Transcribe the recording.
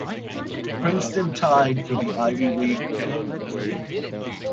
Princeton tied for the Ivy League championship.